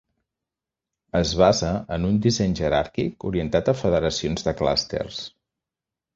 Es basa en un disseny jeràrquic orientat a federacions de clústers.